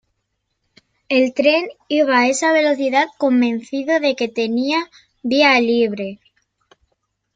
El tren iba a esa velocidad convencido de que tenía vía libre.